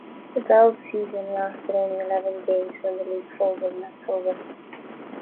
The Bell's season lasted only eleven games when the league folded in October.